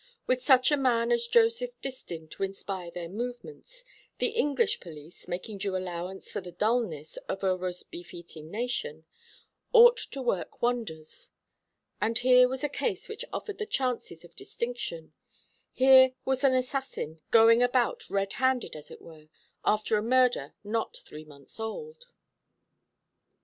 With such a man as Joseph Distin to inspire their movements, the English police making due allowance for the dulness of a rosbif eating nation ought to work wonders; and here was a case which offered the chances of distinction; here was an assassin going about red handed, as it were, after a murder not three months old.